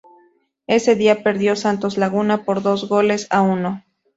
Ese día perdió Santos Laguna por dos goles a uno.